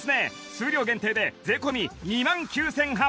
数量限定で税込２万９８００円